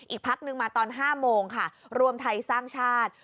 อีกพักนึงมาตอน๕โมงค่ะรวมไทยสร้างชาติ